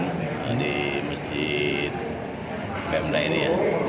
pengajian di masjid bumd ini ya